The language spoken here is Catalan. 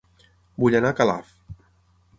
Vull anar a Calaf